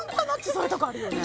そういうとこあるよね